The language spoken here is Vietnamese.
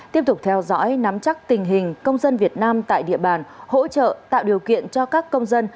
tiếp tục theo dõi nắm chắc tình hình công dân việt nam tại địa bàn hỗ trợ tạo điều kiện cho các công dân